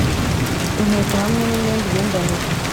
inkweto hamwe n'imyenda ubinzanire